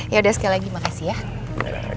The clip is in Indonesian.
ya udah sekali lagi makasih ya